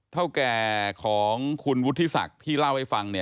เท่าแก่ของคุณวุฒิศักดิ์ที่เล่าให้ฟัง